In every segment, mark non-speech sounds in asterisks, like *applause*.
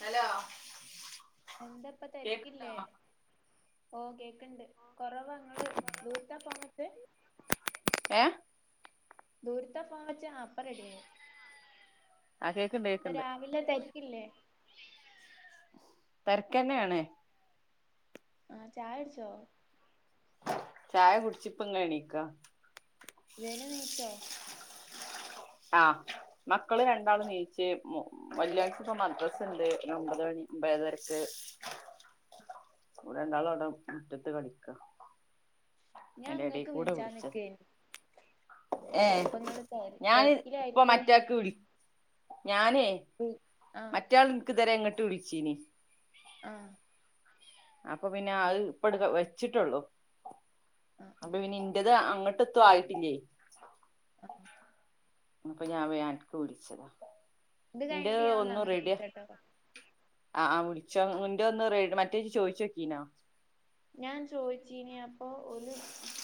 Hello കേക്ക്ണ്ടോ എന്താപ്പതെരക്കില്ലേ ഓ കേക്കണ്ട് കൊറവാങ്ങള് ദൂരത്താ ഫോണ്വെച്ചേ ഏ ദൂരത്താ ഫോം വച്ചേ ആപ്പോ റെഡ്യേയി ആ കേക്ക്ണ്ട് കേക്ക്ണ്ട് ല്ല തെർക്കില്ലേ തെരക്കെന്നേണ് ആ ചായൊട്ച്ചോ ചായ കുടിച്ചിപ്പങ്ങേണീക്ക സെനു നീച്ചോ? ആ മക്കള് രണ്ടാള് നീച്ച് മോ വല്യാഴ്ക്ക്പ്പോ മദ്രസെണ്ട് ഒമ്പത് മണി ഒമ്പതേരക്ക് ഓല് രണ്ടാളവ്ടെ മുറ്റത്ത് കളിക്കാ അയിന്റെ എടേ ഞാങ്ങക്ക് കൂടെ വിളിച്ചത് വിളിച്ചാനിക്കേനീ ഏ തെര് ഞാന് ഇപ്പൊ തെരക്കിലായിരിക്കും മറ്റാക്ക് വിളി ഞാനേ ആഹ് മറ്റാൾ ഇൻക്ക് ഇതെരേ ഇങ്ങട്ട് വിള്ച്ചീനി ആ അപ്പൊ പിന്നെ അഇ് ഇപ്പട്ക്ക വെച്ചിട്ടോള്ളു ആ അപ്പൊ ആ പിന്നെ ഇൻ്റക് അങ്ങ ആയിട്ടില്ലേയ് *inaudible* അപ്പൊ ഞാ വേം അൻക്ക് വിളിച്ചതാ ഇത് ന്റെ കഴിഞ്ഞിട്ട് ഞാൻ ഒന്ന് ഒന്നും അങ്ങട്ട് റെഡിയാ വിളിച്ചാട്ടോ ആ ആ വിളിച്ചോ ഇന്റേ ഒന്ന് റേ മറ്റേയ് ചോയിച്ചോക്കീനോ ഞാൻ ചോയിച്ചീനി അപ്പൊ ഓല്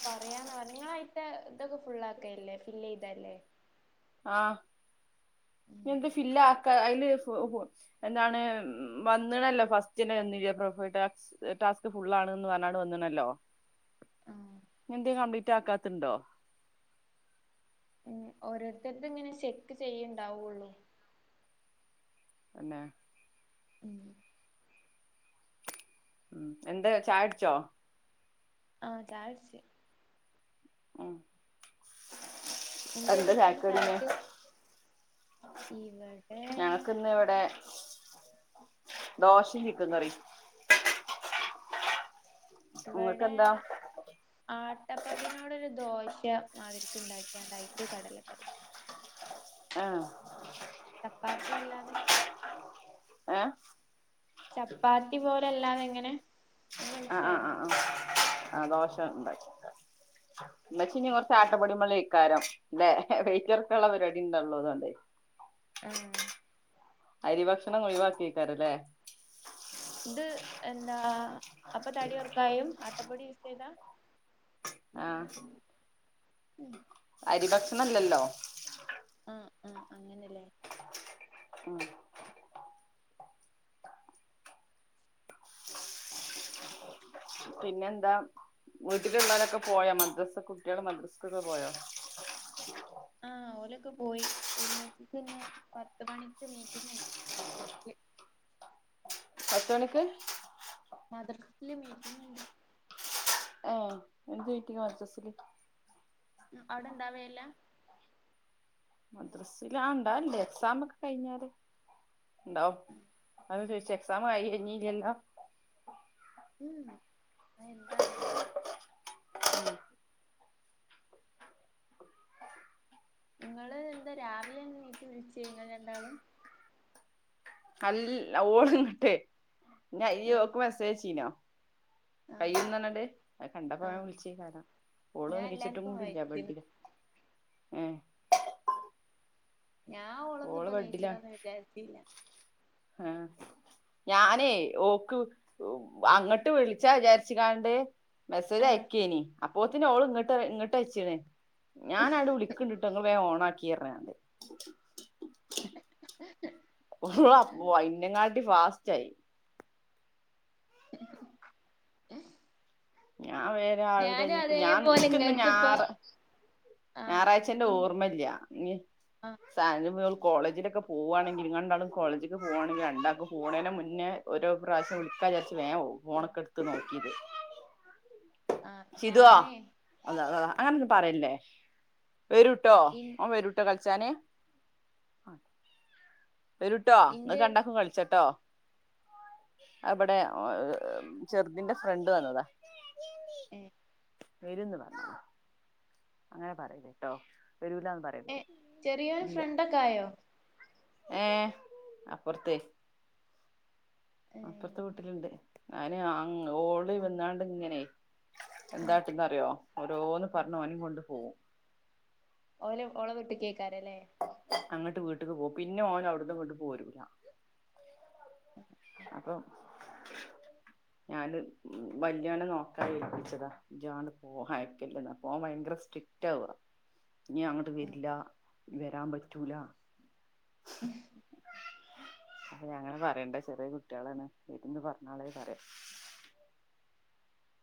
പറയാന്നാ പറഞ്ഞേ ങ്ങളായീത്തേ തൊക്കെ ഫുള്ളക്കേല്ലേ ഫില്ലെയ്തല്ലേ ആ എന്ത് ഫില്ലാക്ക അയില് എന്താണ് വന്ന്ണല്ലോ ഫസ്റ്റെന്നെ വന്നില്ല്യേ ടാസ്ക് ഫുൾ ആണ്ന്ന് പറഞ്ഞാണ്ട് വന്ന്ണല്ലോ. ആ എന്ത് കംപ്ലീറ്റ് ആക്കാത്തുണ്ടോ ഉ ഓരോരുത്തർത്ത് ഇങ്ങനെ ചെക്ക് ചെയ്യണ്ടാവുള്ളൂ എന്നന്നെ ഉം ഉം എന്താ ചാടിച്ചോ ആ ചായ കുടിച്ച് ണല്ലോ ഉം എന്തേ എന്താ നിങ്ങളത് ചായക്കടി ന്ന് ഇവടെ ഞങ്ങക്കിന്ന് ഇവിടെ ദോശയും ചിക്കൻ കറി ഇവിടെ ഇങ്ങക്കെന്താ ആട്ടപ്പൊടിനോട് ഒരു ദോശ മാതിരിക്ക ഉണ്ടാക്കിയാണ്ടായി് കടലക്കറി ആഹ് ചപ്പാത്തി അല്ലാതെ ഏ ഹ് ചപ്പാത്തി പോലെല്ലാതെ എങ്ങനെ നിങ് ആഹ് ആഹ് മനസ്സിലായില്ലേ ആഹ് ആഹ് ആ ദോശ ഉണ്ടാക്ക്യാ ക്ക ഇമ്മച്ചി ഞ്ഞ് കൊറച്ച്ആട്ടപ്പൊടി മൽ എക്കാരം ലെ വെയിറ്റ് കൊർക്കാള്ളെ പരിപാടി ഇണ്ടാ ഇള്ളതൊണ്ടെയ് ആഹ് അരി ഭക്ഷണം ഒഴിവാക്കെയ്ക്കാരം ലെ ഇത് എന്താ അപ്പ തടി ഒർക്കാൻ കയ്യും ആട്ടപ്പൊടി യൂസ് ചെയ്താ ആഹ് ഉം അരി ഭക്ഷണം ഇല്ലല്ലോ? ആഹ് ആഹ് അങ്ങനെല്ലേ ആഹ് പിന്നെ എന്താ വീട്ട്ൽ ഇള്ളൊരൊക്കെ പോയോ? മദ്രസ്സ് കുട്ടിയെൾ മദ്രസ്സ്ക്ക് ഒക്കെ പോയോ? ആഹ് ഓലൊക്കെ പോയി *unintelligible* ഇന്ന് പത്ത് മണിക്ക് മീറ്റിങ്ങ് ഇണ്ട് *unintelligible* പത്ത് മണിക്ക് മദെർസിൽ മീറ്റിംങ് ഇണ്ട് ആഹ് എന്ത് മീറ്റിങ്ങാ മദ്രസ്ൽ ഉം അയുടെ ഇണ്ടാവെ ഇല്ലാ? മദ്രസ്ൽ ആഹ് ഇണ്ടാവേൽ ഇണ്ട് എക്സാം ഒക്കെ കഴിഞ്ഞാൽ ഇണ്ടാവും അതാ ചോയിച്ചെ എക്സാമ് കഴിഞ്ഞില്ലല്ലോ? ഉംഉം ഇന്നാ എന്താ അറീലാ ഉം ഇങ്ങെൾ എന്താ രാവിലെന്നെ നീച്ച് വിൾച്ചെ ഇങ്ങെൾ രണ്ടാളും അൽ ഓൾ ഇങ്ങെട്ടെ നാ ഇയ്യ് ആഹ് ഓക്ക് മേസ്സേജ് അയച്ചീനോ ആഹ് കയ്യുംന്ന് പർണാണ്ട് ഇന്നാ കണ്ടപ്പം വേം ആഹ് വുൾച്ചെയ്ക്കാരം ഓള് ഞാൻ നീച്ച്ട്ടും എല്ലാർക്കും കൂടിയില്ല വയ്ക്കുന്നു ബെഡിലാ ഏഹ് ഞാ ഓളൊന്നും ഓള് ഇപ്പ നീച്ച്ണെ ബെഡിലാണ് ഒന്നും വിചാരിച്ചി ഇല്ല ആഹ് ഞാനെയ് ഓക്ക് എഹ് അങ്ങെട്ട് വുൾച്ചാ വിചാരിച്ച് കാണ്ട് മെസ്സേജ് ആഹ് അയ്ക്കെയ്നി അപ്പോത്തിന് ഓൾ ഇങ്ങെട്ട് പറിയാ ഇങ്ങെട്ട് അയ്ച്ച്ണ് ഞാൻ അങ്ങെട്ട് വിളിക്ക് ഇണ്ട് ട്ടോ ഇങ്ങെൾ വേം ഒണാക്കി പർണാണ്ട് ഓളാപ്പോ ഇന്നെങ്ങാട്ടി ഫാസ്റ്റായി എ *unintelligible* ഞാ വേം രാവിലെ ഇഞ്ഞ് ഇപ്പം ഞാം അതേപോലെ ഇൻക്ക് ഇന്ന് ഇങ്ങക്ക് ഇപ്പ ഞാറ ആഹ് ഞാറാഴ്ച്ചെന്റെ ഇൻ ഓർമ്മ ഇല്ല ഇഞ്ഞ് ആഹ് സാനുപ്പം ഓൾ കോളേജിലൊക്കെ പോവാണെങ്കി പി ഇങ്ങെൾ രണ്ടാളും കോളേജ്ക്ക് പോവാണെങ്കി രാണ്ടാക്കും പോണെയ്ന് മുന്നേ ഓരോ പ്രാവ്ശ്യം വിളിക്കാ വിചാരിച്ച് വേം ഫോണൊക്കെ ഇട്ത്ത് നോക്കില്ലെ ആഹ് സിതുവാോ ഞാനേ അതാ അതാ അങ്ങനൊന്നും പറയല്ലേ. വെരുട്ടോ ഇൻ ഓം വെരുട്ടോ കൾച്ചാന്. വെരുട്ടോ ഇന്റെ ഇങ്ങെക്ക് രണ്ടാക്കും കൾച്ചട്ടോ? അഹ് ഇബെടെ ഓഹ് ചെർതിന്റെ ഫ്രണ്ട് വന്നതാ ഏഹ് വെരുംന്ന് പറ അങ്ങനെ പറയല കേട്ടോ, വരൂലാന്ന് പറയ. എഹ് ചെറിയോന് ഫ്രണ്ടൊക്കെ ആയോ? ഏഹ് അപ്പൊർത്തെയ്. അപ്പൊർത്തെ വീട്ട്ൽ ഏഹ് ഇണ്ട്. അയിന് അങ്ങ് ഓള് വന്ന് ആണ്ട് ഇങ്ങെനെയ് ആഹ് എന്താട്ടുംന്ന് അറിയോ ഓരോന്ന് പർഞ്ഞ് ഓനിം കൊണ്ട് പോവും ഓൽ ഓളെ വീട്ട്ക്ക് എയ്ക്കാരംലെ അങ്ങെട്ട് വീട്ട്ക്ക് പോവും. പിന്നെ ഓൻ അയുട്ന്ന് ഇങ്ങെട്ട് പോരൂലാ. അ അപ്പം ഞാൻ വല്ല്യോനെ നോക്കാ ഏൽപ്പിച്ചെതാ ഇജ്ജ് ആണ്ട് പോ അയക്കെല്ലെ എടാ അപ്പം ഓൻ ഭയങ്കെര സ്ട്രിക് നി അങ്ങോട്ടുവരില്ല വരാൻ പറ്റൂല ഇനി അങ്ങനെ പറയണ്ട ചെറിയകുട്ടികളാണ് വീട്ടീന്ന് പറഞ്ഞാളി പറേം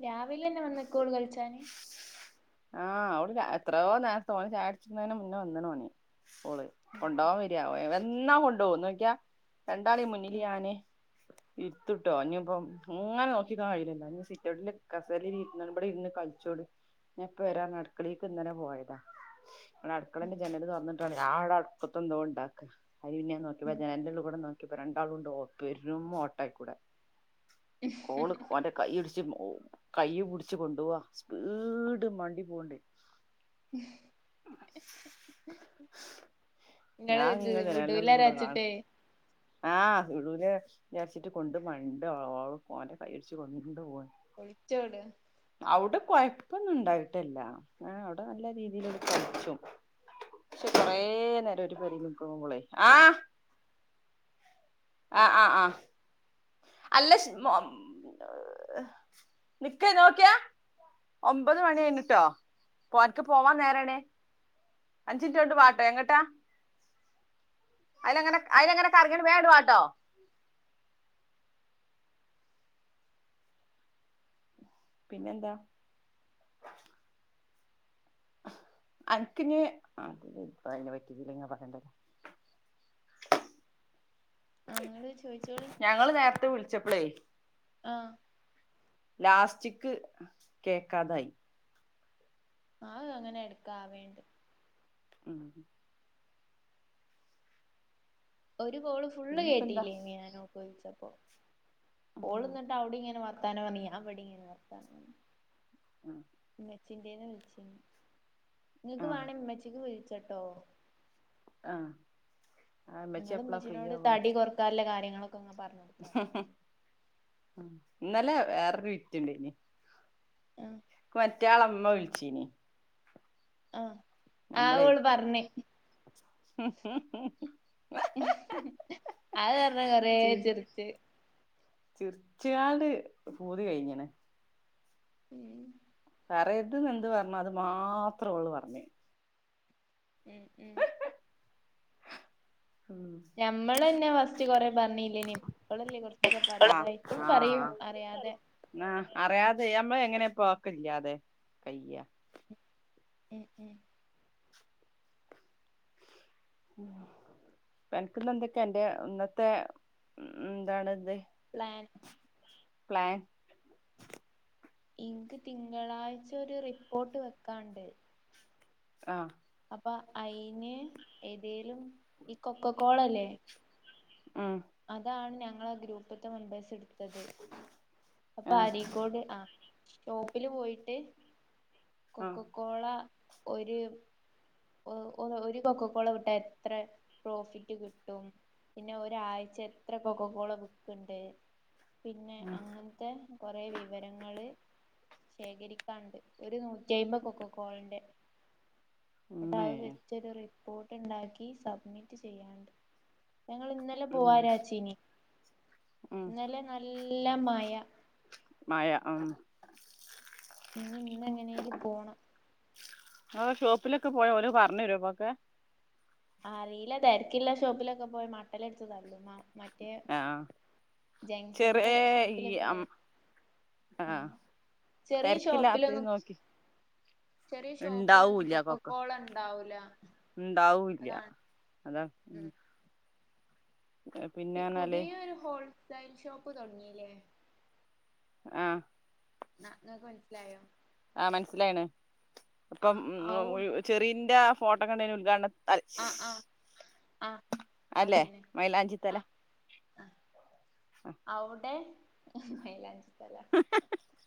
രാവിലന്നെ വന്നേക്കുഓള് കളിച്ചാന് ആ ഓള് രാ എത്രയോ നേരത്തെ ഓൻ ചായ കുടിച്ചണീന്റെ മുന്നേ വന്നുണുഓൻ ഓള് ആഹ് കൊണ്ടുകാൻ വരാ യാ വന്നാവൻ കൊണ്ടോകും നോക്ക്യ രണ്ടാളേം മുന്നില് ആഹ് ഞാന് ഇരുത്തുട്ടോ ഇനിയിപ്പം ഇങ്ങനെ നോക്കിക്കാൻ കഴിയില്ലല്ലോ ഇനി സിറ്റൗട്ടിലെ കസേരലിരുന്നാലും ഇബടെ ഇരുന്ന് കളിച്ചോട് ഞാപ്പവരാ അടുക്കളയിലേക്ക് ഇങ്ങനെ പോയതാ ഉം അടുക്കളേന്റെ ജനൽ തുറന്നിട്ട് ഞാഅവടെ അടുപ്പത്തെന്തൊ ഒണ്ടാക്കാ അയിൽ പിന്നെ നോക്കിയപ്പോ ഉം ജനലിന്റെ ഉള്ളിലൂടെ നോക്കി പ്പൊ രണ്ടാളുണ്ട് പെരും ഓട്ടേക്കൂടെ ഓള് ഓന്റെ കൈ ഇടിച്ചു കയ്യ്പിടിച്ച് കൊണ്ടവാ സ്പീഡ് മണ്ടി പോകണ്ട് *inaudible* നിങ്ങള് ഞാൻ ഇത് ഇങ്ങനെ വിടൂലാരാച്ചിട്ടെ ആ വിടൂലാരിച്ചിട്ട് കൊണ്ട് മണ്ട് ഓള് ഓന്റെ കയ്യൂടിച്ച് കൊണ്ടു പോവാണ് ഒളിച്ചോടുവാ അവിടെ കൊഴപ്പൊന്നും ഉണ്ടായിട്ടല്ല അവിടെ നല്ല രീതിൽ ഇവിടെ കളിച്ചും പക്ഷെ കൊറേനേരം ഒരു പെരേലിരിക്കുമ്പൊളെ ആ ആ ആ അല്ല ഷ്മോ നിക്ക് നോക്കിയാ ഒമ്പതുമണികഴിഞ്ഞൂട്ടോ ഓന്ക്ക് പോവാൻ നേരാണേ അഞ്ചിൻട്ടോണ്ട് വാട്ടോ എങ്ങട്ടാ അയിലങ്ങനെ അയിലങ്ങനെ കറങ്ങീണ്ട് വേഗങ്ങിട് വാട്ടോ പിന്നെന്താ അനക്കിനി ആ അയിന് പറ്റിയിലങ്കി പറയണ്ടല്ലോ *inaudible* അങ്ങട് ചോയിച്ചോളി ഞങ്ങള് നേരത്തെ വിളിച്ചപ്പളേയ് ആ ലാസ്റ്റ്ക്ക് കേക്കാതായി അത് അങ്ങനെ എടുക്കാആവേണ്ട് ഉഹും ഒരുകോള് ഫുള്ള് പിന്നെപ്പ എന്താ കേട്ടില്ല്യായിനി ഇന്ന് ഞാൻ ഓൾക്കുവിളിച്ചപ്പോ ഉം ഓളന്നിട്ട് അവിടെയിങ്ങനെ വർത്താനം പറഞ്ഞി ഞാനിവിടെങ്ങിനെ വർത്താനം പറഞ്ഞ് ആ ഉമ്മച്ചിന്റേന്ന് വിളിച്ചിനി നിങ്ങക്ക് ആഹ് വേണങ്കി ഇമ്മച്ചിക്ക് വിളിച്ചട്ടോ ആ നിങ്ങളുമ്മച്ചീനോട് ആവാ തടി കൊറക്കാറുള്ള കാര്യങ്ങളൊക്കെ അങ്ങ് പറഞ്ഞോ ഇന്നലെ വേറൊരു വിറ്റുണ്ടായീന് ആ മറ്റെയാളമ്മ വിളിച്ചീനി ആ നമ്മളെ അതുപറഞ്ഞ് കുറേ ചിരിച്ച് ചിർച്ചിയാണ്ട് പൂതി കഴിഞ്ഞണ് ഉം പറയരുതെന്ന് എന്തുപറഞ്ഞോ അതുമാത്രം അവള് പറഞ്ഞ് ഉം ഉം ഉം ഞമ്മളന്നെ ഫസ്റ്റ് കൊറെ പറഞ്ഞില്ലേനി ഓളല്ലേ കൊറച്ചൊക്കെ പറയാതെ ഇപ്പോഴും പറയും അറിയാതെ നാ അറിയാതെ ചെയ്യാൻപോയാ എങ്ങനെ പോക്കില്ലാതെ കയ്യാ ഉം ഉം എനക്ക്ന്ന എന്തൊക്കെ എന്റെ ഇന്നത്തെന്താണ്ത്. പ്ലാൻ പ്ലാൻ ഇന്ക് തിങ്കളാഴ്ച ഒരു റിപ്പോർട്ട് വെക്കാണ്ട്. ആഹാ അപ്പൊ അയിന് ഏതേലും ഈ കൊക്ക കോള ല്ലേ? ആഹ അതാണ് ഞങ്ങള ഗ്രൂപ്പത്തെ മെമ്പേഴ്സ് ഇട് ത്തത് അപ്പൊ ആഹ് അരീക്കോട് ആ ഷോപ്പില് പോയിട്ട്. ആഹ് കൊക്കകോള ഒര് ഒരു കൊക്കകോള വിട്ടാ എത്ര പ്രോഫിറ്റ് കിട്ടും. പിന്നെ ഒരാഴ്ച എത്ര കൊക്കകോള വി ക്ക്ണ്ട് പിന്നെ ഉം അങ്ങന് ത്തെ കൊറേ വിവരങ്ങള് ശേഖരിക്കാണ്ട് ഒരു നൂറ്റിഅയ്മ്പ് കൊക്കകോളിന്റെ ന്ന്ട്ട് ഉമ്മേ അത് വെച്ചരു റി പ്പോട്ട്ണ്ടാക്കി സബ്മിറ്റ് ചെയ്യാണ്ട്. ഞങ്ങള് ഇന്നലെ ഉം പോരാച്ചീനി ഉം ഇന്നലെ നല്ല മയ മയ ആം ഇഞി ഇന്ന് എങ്ങനെലും പോണം അത് ഷോപ്പിലൊക്കെ പോയാ ഓല് പറഞ്ഞരോ അപ്പൊക്കെ? ആ അറിയില്ല ധർക്കില്ല ഷോപ്പിലൊക്കെ പോയ മട്ടലട്ത്ത് തല്ലു മ്മാ മറ്റേ ആഹ് ചെറിയ ജംഗ്ഷനത്തെ ഈ ഷോപ്പിലൊക്കെ അം പോയാ ആ ആഹ് ചെറിയ തെരക്കില്ലാത്തത് ഷോപ്പിലൊന്നും നോക്കി ചെറിയ ഷോപ്പിലൊന്നും ഇണ്ടാവൂല്ല കൊക്കകോള ണ്ടാവൂല ണ്ടാവുല്ല്യ അതാ ഉം ഈ പിന്നെന്നാല് പുതിയ ഒരു ഹോൾസൈ ഷോപ്പ് തുടങ്ങില്ലേ? ആഹാ ആ ങ്ങക്ക് മനസ്സിലായോ? ആഹ മനസ്സിലായിണ്. ആ അപ്പം ഔ ഉ ചെറീന്റെ ആ ഫോട്ടോക്കെണ്ടായിന് ഉദ്ഘാടനത് ആ ആ അ അല്ലേ അതന്നെ മൈലാഞ്ചിത്തല അ ആ അവ്ടെ ഹ് മൈലാഞ്ചി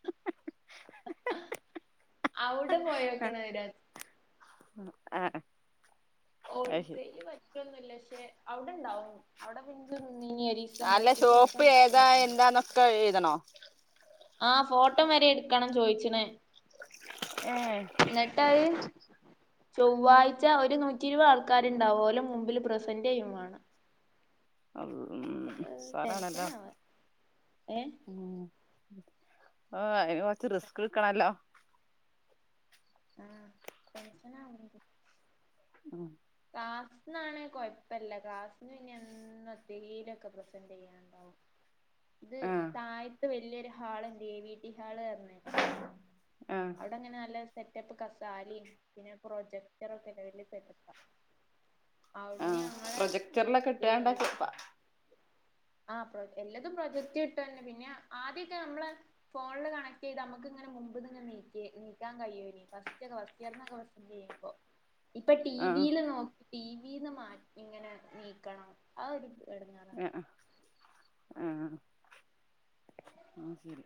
*unintelligible* അവ്ടെ പോയക്കണ രാജ് ആഹ ഹ ഹോൾസെൽല് പറ്റൊന്നുല്ല പക്ഷെ അവിടെണ്ടാവും അവിടെ പിന്നെ നിന്നിന് ഒരിസം ഫസ്റ്റ്തിസം താ എന്താ നൊക്ക എഴുതണോ? ആ ഫോട്ടം വരെ എട്ക്കണം ചോദയിച്ചി ണ്. ഏാ ന്ന്ട്ടആഹ് ചൊവ്വാഴ് ഒരു നൂറ്റിഇരുപ് ആൾക്കാരുണ്ടാവും ഒലെമുമ്പിൽ പ്രസന്റ് ചെയ്യുവാണം. *unintelligible* സാറാണ്ല്ലാ ടെൻഷനാവ ഏ ഉൂം ആ അയിന് കൊറച്ച് റിസ്ക് ക്കണല്ലോ? ആ ടെൻഷൻ ആവ്ന്ട് *unintelligible* ക്ലാസ്നാണ് കൊഴപ്പല്ല ക്ലാസ്ന് പിന്ന എന്നും ന്തലൊക്കെ പ്രസന്റ് ചെയ്യാൻണ്ടാവും. *unintelligible* ഇത് താഴത്ത് വല്ല്യരുഹാൾ. വേ വീട്ടി ഹാള്റഞ്ഞ് ആഹ് അവിടെങ്ങനെ ന്നല്ല സെറ്റപ്പ് കസാലിം പിന്നെ പ്രൊജക്ടറൊക്കെല്ലെ വല്ല്യസെറ്റപ്പണ്. അവ്ട്ന്ന് ആഹ് ഞങ്ങളെ ഇ പ്രൊജക്ടറിലൊക്കെ ഏ ഇട്ടാണ്ടാക്കി ആ പ്ര എല്ലതും പ്രൊജക്റ്റ് കിട്ടാൺ പിന്നെ ആദ്യൊക്കെ മ്മളെ ഫോണ്‌ല് കണക്ട് ഇതാ മ്മക്ക് ഇങ്ങനെ മുമ്പുന്ന് ങ്ങനെ നീക്കി നീക്കാൻ കഴിയോന്ന് ഫസ്‌റ്റോക്കേ ഫസ്റ്റിയർ നോക്കേ *unintelligible* ഇപ്പൊ ടി ആഹ് വിൽ നോക്കി ടി വിന്ന് മാ ഇങ്ങനെ നീക്കണം ആ ഒരു എടങ്ങേ - - ആഹ് ആഹ് ആ ശരി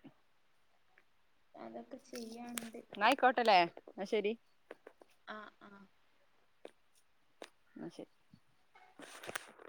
അതൊക്കെ ചെയ്യാണ്ട് ന്നാ ആയിക്കോട്ടല്ലേ ന്നാ ശരി ആ ആ ഇന്നാ ശരി *inaudible*